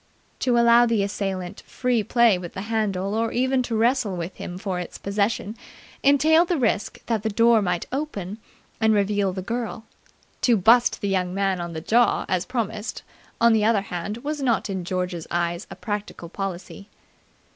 To allow the assailant free play with the handle or even to wrestle with him for its possession entailed the risk that the door might open and reveal the girl. To bust the young man on the jaw, as promised, on the other hand, was not in George's eyes a practical policy.